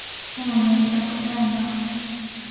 もうやりたくないな